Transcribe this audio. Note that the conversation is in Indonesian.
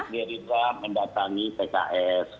dari dram mendatangi pks